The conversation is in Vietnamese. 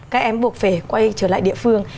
các em buộc phải quay trở lại địa phương